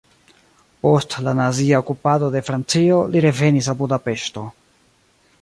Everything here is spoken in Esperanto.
Post la nazia okupado de Francio li revenis al Budapeŝto.